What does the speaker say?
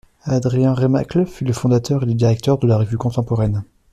Adrien Remacle fut le fondateur et le directeur de la Revue contemporaine.